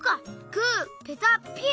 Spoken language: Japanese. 「グーペタピン」。